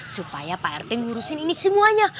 supaya pak rt ngurusin ini semuanya